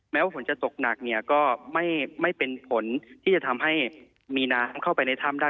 ว่าฝนจะตกหนักเนี่ยก็ไม่เป็นผลที่จะทำให้มีน้ำเข้าไปในถ้ำได้